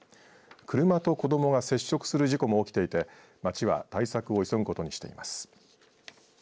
車とこどもが接触する事故も起きていて町は対策を急ぐことにしています。